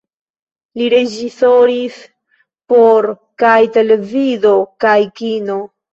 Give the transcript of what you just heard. Li reĝisoris por kaj televido kaj kino.